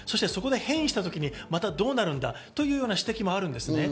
そこで変異した時にまたどうなるんだ？というような指摘もあるんです。